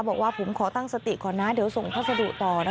บอกว่าผมขอตั้งสติก่อนนะเดี๋ยวส่งพัสดุต่อนะ